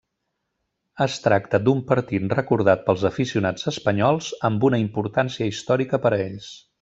Es tracta d'un partit recordat pels aficionats espanyols, amb una importància històrica per a ells.